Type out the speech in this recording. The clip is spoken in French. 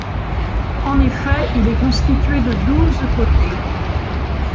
En effet, il est constitué de douze côtés.